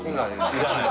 いらない。